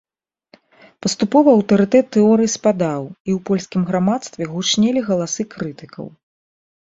Паступова аўтарытэт тэорыі спадаў, і ў польскім грамадстве гучнелі галасы крытыкаў.